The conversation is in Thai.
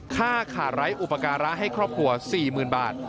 ค่าขาดไร้อุปการะให้ครอบครัว๔๐๐๐บาท